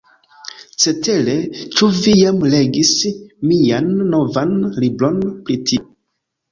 Cetere, ĉu vi jam legis mian novan libron pri tio?